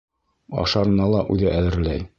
Ашарына ла үҙе әҙерләй.